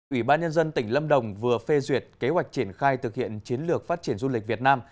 ủy ban nhân dân tỉnh lâm đồng vừa phê duyệt kế hoạch triển khai thực hiện chiến lược phát triển du lịch việt nam